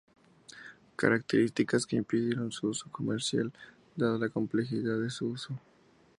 Características que impidieron su uso comercial dada la complejidad de su uso.